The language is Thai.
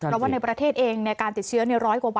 เราว่าในประเทศเองการติดเชื้อเนี่ย๑๐๐กว่าวัน